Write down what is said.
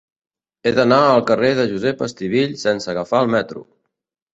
He d'anar al carrer de Josep Estivill sense agafar el metro.